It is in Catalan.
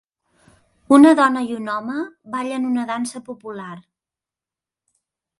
Una dona i un home ballen una dansa popular.